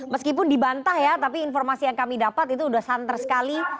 meskipun dibantah ya tapi informasi yang kami dapat itu sudah santer sekali